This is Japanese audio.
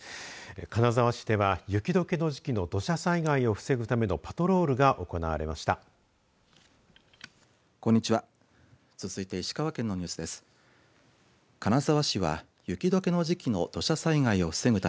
金沢市では雪どけの時期の土砂災害を防ぐためのパトロールが行われました。